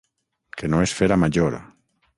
Que no es fera major.